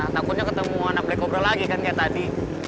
takutnya ketemu anak black obrol lagi kan kayak tadi